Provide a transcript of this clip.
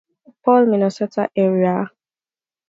Paul, Minnesota area.